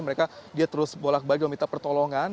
mereka dia terus bolak balik meminta pertolongan